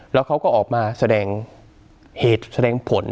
แล้วเขาก็ออกมาแสดงเหตุแสดงผล